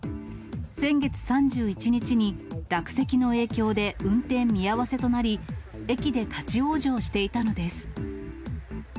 先月３１日に落石の影響で運転見合わせとなり、駅で立往生していたのです。